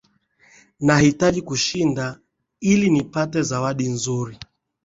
Nahitaji kushinda ili nipate zawadi nzuri